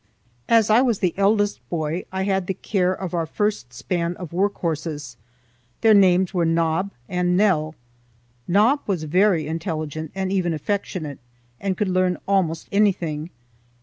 As I was the eldest boy I had the care of our first span of work horses. Their names were Nob and Nell. Nob was very intelligent, and even affectionate, and could learn almost anything.